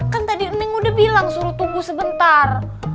kan tadi neng udah bilang suruh tunggu sebentar